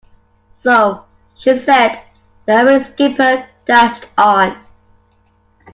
So she said, the irate skipper dashed on.